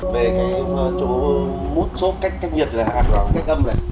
về cái chỗ mút xốp cách nhiệt là hạng cách âm này